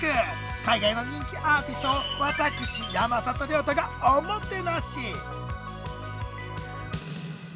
海外の人気アーティストを私山里亮太がおもてなし！